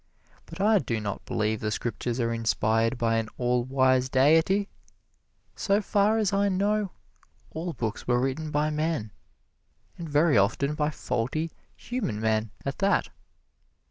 But I do not believe the Scriptures are inspired by an all wise Deity. So far as I know, all books were written by men, and very often by faulty, human men at that.